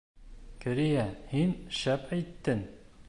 Керея, һин шәп әйттең.